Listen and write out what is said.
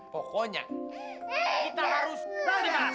pokoknya kita harus berhenti mas